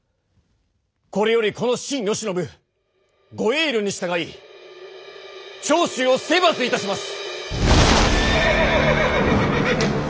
これよりこの臣慶喜ご叡慮に従い長州を征伐いたします！